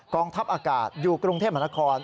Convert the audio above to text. ทัพอากาศอยู่กรุงเทพมหานคร